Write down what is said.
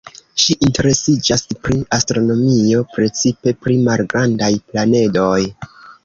Ŝi interesiĝas pri astronomio, precipe pri malgrandaj planedoj.